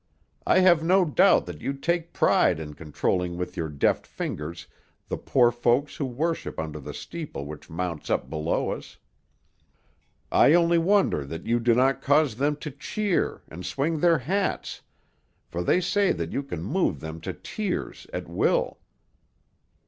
I have no doubt that you take pride in controlling with your deft fingers the poor folks who worship under the steeple which mounts up below us. I only wonder that you do not cause them to cheer, and swing their hats, for they say that you can move them to tears at will."